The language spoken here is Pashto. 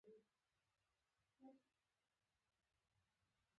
په برازیل کې د ساو پاولو فدرالي پوهنتون